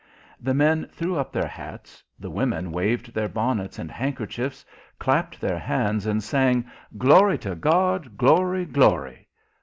The men threw up their hats, the women waved their bonnets and handkerchiefs, clapped their hands, and sang, "Glory to God! glory, glory!"